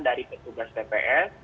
dari petugas tps